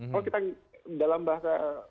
kalau kita dalam bahasa